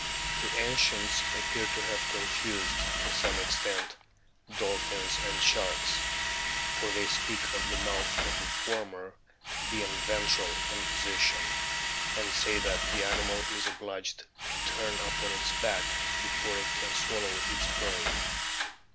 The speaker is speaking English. The ancients appear to have confused, to some extent, dolphins and sharks, for they speak of the mouth of the former being ventral in position, and say that the animal is obliged to turn upon its back before it can swallow its prey.